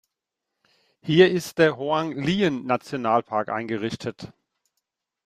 Hier ist der Hoang-Lien-Nationalpark eingerichtet.